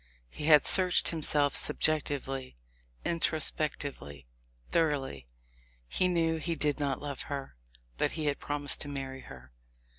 He had searched himself subjectively, introspectively, thoroughly; he knew he did not love her, but he had promised to marry her!